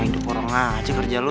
ini kan untuk lo